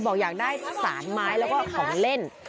บอกอยากได้สารไม้แล้วก็ของเล่น